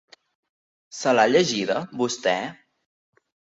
Se l'ha llegida, vostè?